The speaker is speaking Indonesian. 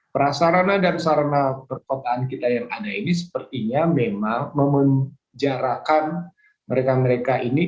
prasarana dan sarana perkotaan kita yang ada ini sepertinya memang memenjarakan mereka mereka ini